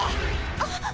あっ！